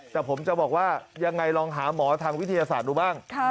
แต่ผมจะบอกว่ายังไงลองหาหมอทางวิทยาศาสตร์ดูบ้าง